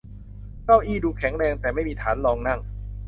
เก้าอี้ดูแข็งแรงแต่ไม่มีฐานรองนั่ง